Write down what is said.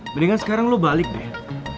mendingan sekarang lo balik deh